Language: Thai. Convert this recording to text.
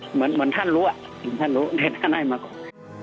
เหมือนท่านรู้อะเหมือนท่านรู้ท่านให้มากกว่า